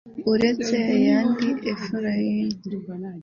uretse ya yindi efurayimu